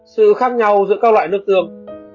sự khác nhau giữa các loại nước tương